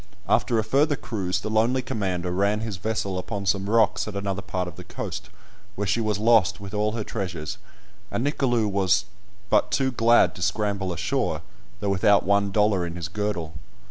After a further cruise the lonely commander ran his vessel upon some rocks at another part of the coast, where she was lost with all her treasures, and Nicolou was but too glad to scramble ashore, though without one dollar in his girdle.